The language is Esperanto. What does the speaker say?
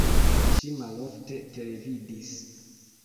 Ŝi malofte televidis.